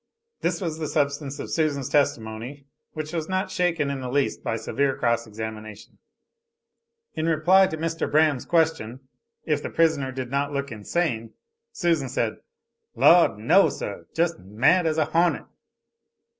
This was the substance of Susan's testimony, which was not shaken in the least by severe cross examination. In reply to Mr. Braham's question, if the prisoner did not look insane, Susan said, "Lord; no, sir, just mad as a hawnet."